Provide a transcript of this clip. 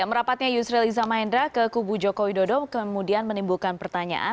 merapatnya yusril iza mahendra ke kubu jokowi dodo kemudian menimbulkan pertanyaan